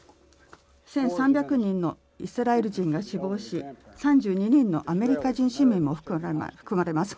１３００人のイスラエル人が死亡し３２人のアメリカ人市民も含まれます。